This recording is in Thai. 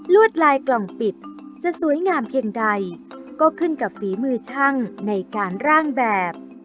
วดลายกล่องปิดจะสวยงามเพียงใดก็ขึ้นกับฝีมือช่างในการร่างแบบ